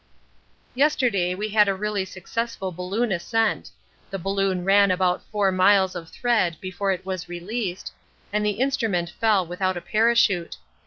Yesterday we had a really successful balloon ascent: the balloon ran out four miles of thread before it was released, and the instrument fell without a parachute.